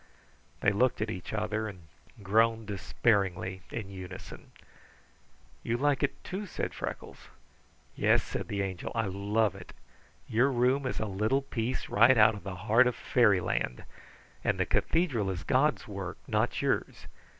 They looked at each other, and groaned despairingly in unison. "You like it, too," said Freckles. "Yes," said the Angel, "I love it. Your room is a little piece right out of the heart of fairyland, and the cathedral is God's work, not yours.